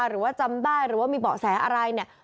หรือว่าจำได้หรือว่ามีเบาะแสอะไรเนี่ย